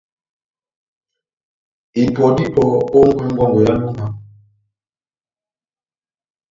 Ipɔ dá ipɔ ó ehungu yá ngɔngɔ ya Lúma,